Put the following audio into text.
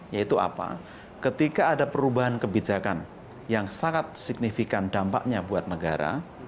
yaitu apa ketika ada perubahan kebijakan yang sangat signifikan dampaknya buat negara